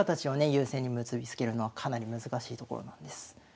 優勢に結び付けるのはかなり難しいところなんです。